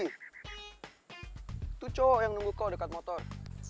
itu cowok yang nunggu kau dekat motor